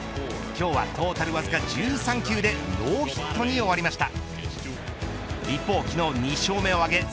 今日はトータルわずか１３球でノーヒットに終わりました。